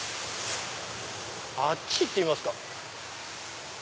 あっち行ってみますか。